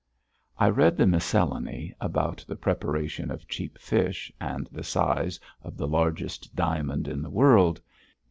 I read the miscellany, about the preparation of cheap fish, and the size of the largest diamond in the world.